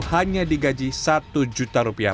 hanya digaji satu juta rupiah